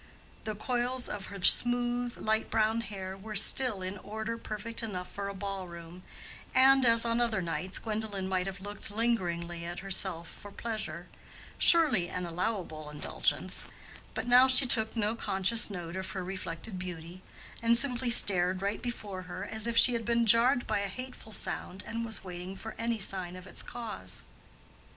The coils of her smooth light brown hair were still in order perfect enough for a ball room; and as on other nights, Gwendolen might have looked lingeringly at herself for pleasure (surely an allowable indulgence); but now she took no conscious note of her reflected beauty, and simply stared right before her as if she had been jarred by a hateful sound and was waiting for any sign of its cause.